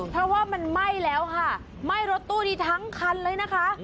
เพราะว่ามันไหม้แล้วค่ะไหม้รถตู้นี้ทั้งคันเลยนะคะ